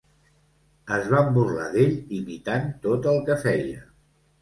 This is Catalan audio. Es van burlar d'ell imitant tot el que feia.